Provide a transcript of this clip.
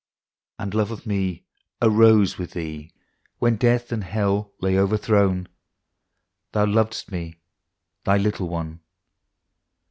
And love of me arose with Thee When death and hell lay overthrown: Thou lovedst me Thy little one.